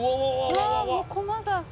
「うわもう駒が」